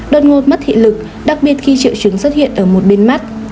đột ngột mất thị lực đặc biệt khi triệu chứng xuất hiện ở một bên mắt